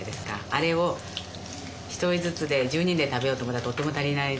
あれを１人ずつで１０人で食べようと思ったらとても足りないですよね。